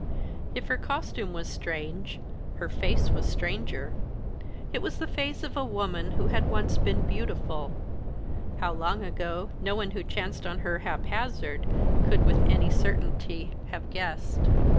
If her costume was strange, her face was stranger. It was the face of a woman who had once been beautiful how long ago, no one who chanced on her haphazard could with any certainty have guessed.